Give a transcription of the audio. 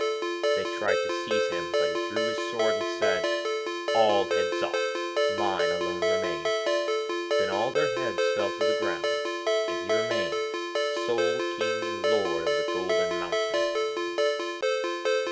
They tried to seize him, but he drew his sword and said, 'All heads off, mine alone remain.' Then all their heads fell to the ground, and he remained sole King and Lord of the Golden Mountain.